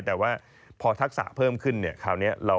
แต่ว่าพอทักษะเพิ่มขึ้น